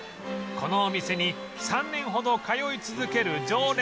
このお店に３年ほど通い続ける常連さん